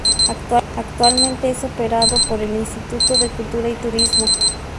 Actualmente es operado por el Instituto de Cultura y Turismo.